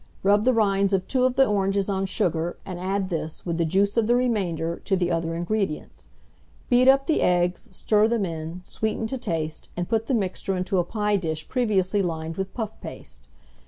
Rub the rinds of 2 of the oranges on sugar, and add this, with the juice of the remainder, to the other ingredients. Beat up the eggs, stir them in, sweeten to taste, and put the mixture into a pie dish previously lined with puff paste.